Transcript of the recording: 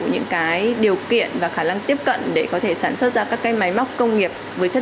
những cái điều kiện và khả năng tiếp cận để có thể sản xuất ra các cái máy móc công nghiệp với chất